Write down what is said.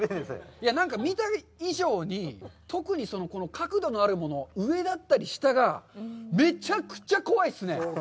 なんか、見た目以上に、特に、この角度のあるもの、上だったり下がめちゃくちゃ怖いっすね！